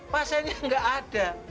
pasennya gak ada